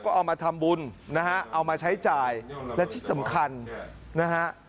ก็เอามาทำบุญนะฮะเอามาใช้จ่ายและที่สำคัญนะฮะ